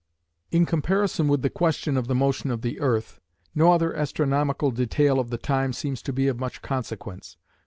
In comparison with the question of the motion of the earth, no other astronomical detail of the time seems to be of much consequence.